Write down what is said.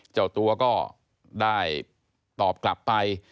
เจ้าตัวก็ได้ตอบกลับไป